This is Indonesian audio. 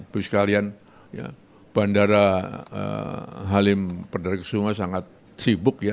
bu juskalian bandara halim penderitaan sungai sangat sibuk ya